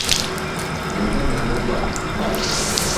Енләнә мотлаҡ!